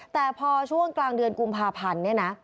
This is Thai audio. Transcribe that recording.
แต่พอช่วงกลางเดือนกุมภาพันธ์เนี่ยนะ